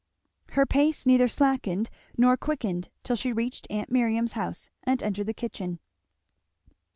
Her pace neither slackened nor quickened till she reached aunt Miriam's house and entered the kitchen.